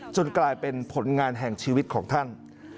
กลายเป็นผลงานแห่งชีวิตของท่าน